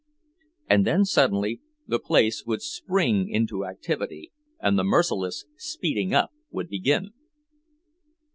And then suddenly the place would spring into activity, and the merciless "speeding up" would begin!